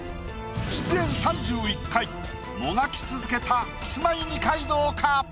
出演３１回もがき続けたキスマイ二階堂か？